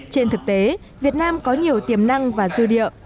trên thực tế việt nam có nhiều tiềm năng và dư địa